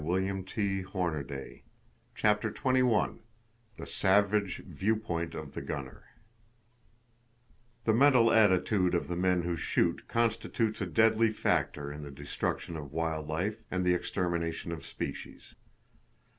[Page 203] CHAPTER XXI THE SAVAGE VIEW POINT OF THE GUNNER The mental attitude of the men who shoot constitutes a deadly factor in the destruction of wild life and the extermination of species.